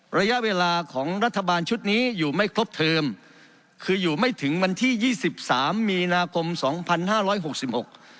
ระยะเวลาของรัฐบาลชุดนี้อยู่ไม่ครบเทอมคืออยู่ไม่ถึงวันที่ยี่สิบสามมีนาคมสองพันห้าร้อยหกสิบหก